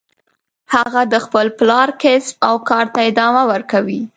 هغه د خپل پلار کسب او کار ته ادامه ورکوي